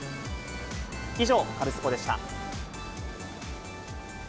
以上、カルスポっ！でした。